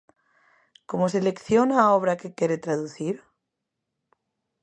Como selecciona a obra que quere traducir?